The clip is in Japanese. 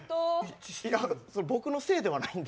僕のせいではないんで。